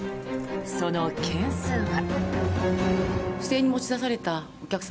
その件数は。